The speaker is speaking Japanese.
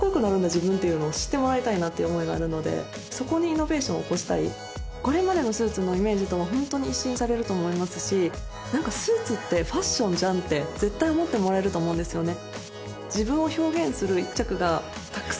自分っていうのを知ってもらいたいなっていう思いがあるのでそこにイノベーションを起こしたいこれまでのスーツのイメージとは本当に一新されると思いますしなんかスーツってファッションじゃんって絶対思ってもらえると思うんですよね